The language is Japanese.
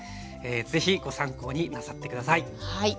是非ご参考になさって下さい。